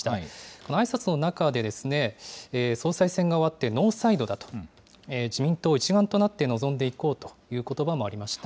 このあいさつの中で、総裁選が終わってノーサイドだと、自民党一丸となって臨んでいこうということばもありました。